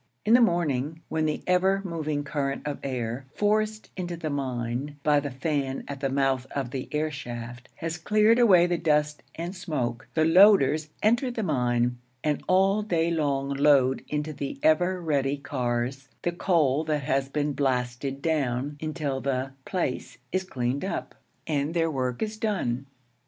In the morning, when the ever moving current of air, forced into the mine by the fan at the mouth of the air shaft, has cleared away the dust and smoke, the loaders enter the mine, and all day long load into the ever ready cars the coal that has been blasted down, until the 'place' is cleaned up, and their work is done.